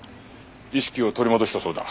意識を取り戻したそうだ。